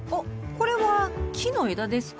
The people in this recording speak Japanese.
これは木の枝ですか？